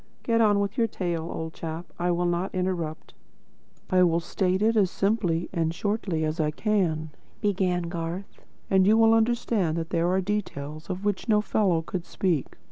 Get on with your tale, old chap. I will not interrupt." "I will state it as simply and as shortly as I can," began Garth. "And you will understand that there are details of which no fellow could speak.